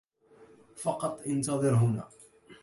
فقط انتظر هنا.